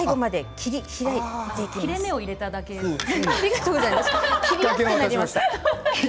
切れ目を入れただけですね。